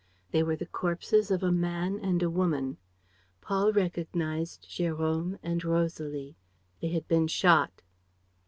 They were the corpses of a man and a woman. Paul recognized Jérôme and Rosalie. They had been shot.